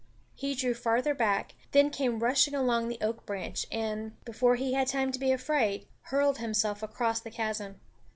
He drew farther back, then came rushing along the oak branch and, before he had time to be afraid, hurled himself across the chasm.